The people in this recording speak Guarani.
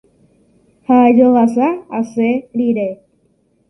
ha ajovasa asẽ rire